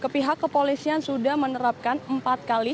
pihak kepolisian sudah menerapkan empat kali